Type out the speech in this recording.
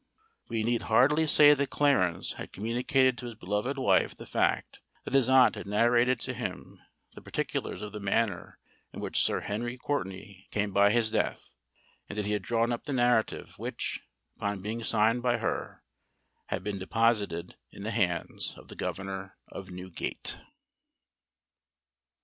We need hardly say that Clarence had communicated to his beloved wife the fact that his aunt had narrated to him the particulars of the manner in which Sir Henry Courtenay came by his death, and that he had drawn up the narrative, which, upon being signed by her, had been deposited in the hands of the governor of Newgate.